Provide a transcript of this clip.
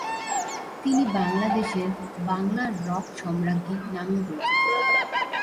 তিনি বাংলাদেশের "বাংলার রক সম্রাজ্ঞী" নামেও পরিচিত।